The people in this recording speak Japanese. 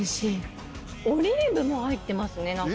オリーブも入ってますね中。